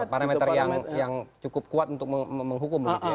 parameter yang cukup kuat untuk menghukum